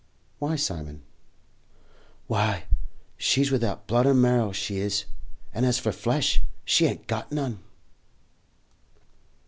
"Why, Simon?" "Why, she's without blood or marrow, she is; and as for flesh, she ain't got none."